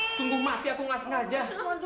sungguh mati aku nggak sengaja